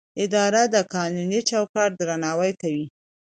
اداره د قانوني چوکاټ درناوی کوي.